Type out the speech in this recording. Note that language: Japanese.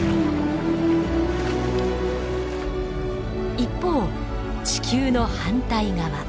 一方地球の反対側。